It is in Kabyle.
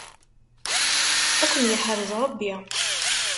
Ad ken-yeḥrez Ṛebbi.